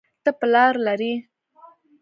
ته پلار لرې